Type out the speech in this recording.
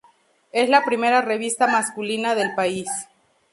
Es la primera revista masculina del país.